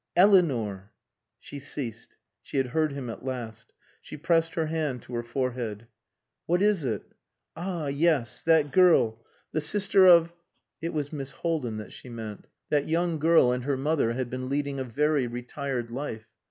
"Eleanor!" She ceased; she had heard him at last. She pressed her hand to her forehead. "What is it? Ah yes! That girl the sister of...." It was Miss Haldin that she meant. That young girl and her mother had been leading a very retired life.